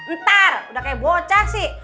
ntar udah kayak bocah sih